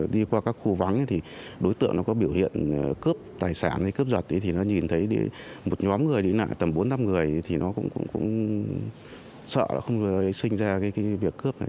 đi qua các khu vắng thì đối tượng có biểu hiện cướp tài sản hay cướp giật thì nó nhìn thấy một nhóm người đến lại tầm bốn năm người thì nó cũng sợ là không xin ra việc cướp